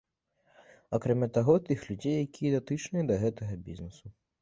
Акрамя таго, тых людзей, якія датычныя да гэтага бізнесу.